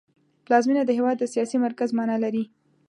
پلازمېنه د هېواد د سیاسي مرکز مانا لري